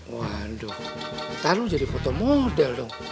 waduh ntar lo jadi foto model dong